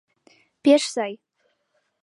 Пеш сай!